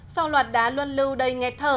sau loạt đá luân lưu đầy nghẹt thở